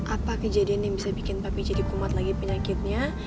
apa kejadian yang bisa bikin pak pi jadi kumat lagi penyakitnya